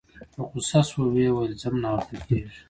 په غوسه شوه ویل یې ځم ناوخته کیږي